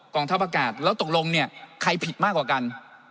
ทัพอากาศแล้วตกลงเนี่ยใครผิดมากกว่ากัน